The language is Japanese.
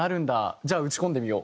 じゃあ打ち込んでみよう！